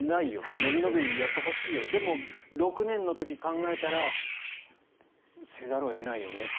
伸び伸びやらせたいよでも、６年の時に考えたらせざるを得ないよねっていう。